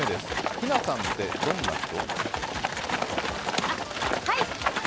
ヒナさんってどんな人？